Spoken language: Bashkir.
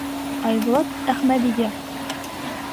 Айбулат Әхмәҙигә: